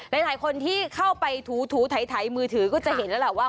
หลายคนที่เข้าไปถูถ่ายมือถือก็จะเห็นแล้วล่ะว่า